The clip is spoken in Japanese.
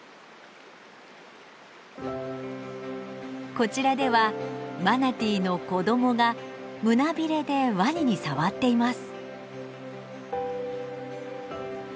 こちらではマナティーの子どもが胸びれでワニに触っています。